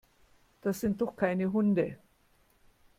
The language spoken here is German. Das sind doch keine Hunde.